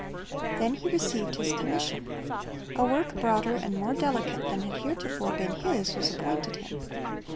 "' Then he received his commission. A work broader and more delicate than had heretofore been his was appointed him.